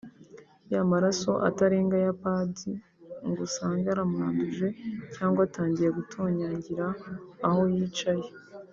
ya maraso atarenga ya pads ngo usange aramwanduje cyangwa atangiye gutonyangira aho yicaye